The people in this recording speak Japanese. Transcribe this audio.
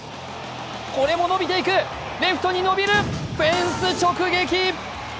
これも伸びていく、レフトに伸びる、フェンス直撃。